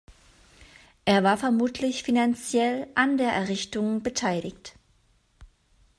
Er war vermutlich finanziell an der Errichtung beteiligt.